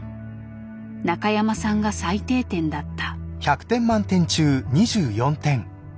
中山さんが最低点だった。